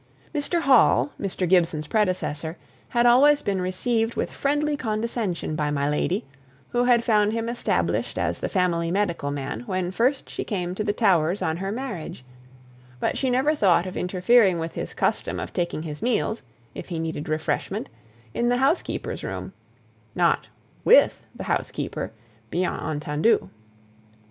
Mr. Hall, Mr. Gibson's predecessor, had always been received with friendly condescension by my lady, who had found him established as the family medical man, when first she came to the Towers on her marriage; but she never thought of interfering with his custom of taking his meals, if he needed refreshment, in the housekeeper's room, not with the housekeeper, bien entendu.